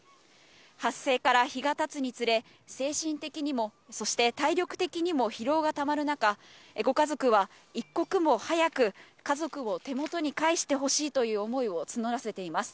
発生から日がたつにつれ、精神的にも、そして体力的にも疲労がたまる中、ご家族は一刻も早く家族を手元に返してほしいという思いを募らせています。